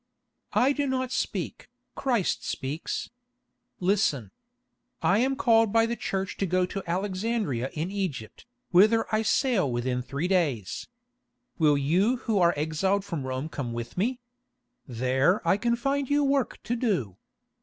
"I do not speak, Christ speaks. Listen. I am called by the Church to go to Alexandria in Egypt, whither I sail within three days. Will you who are exiled from Rome come with me? There I can find you work to do."